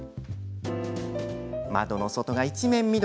窓の外が一面、緑。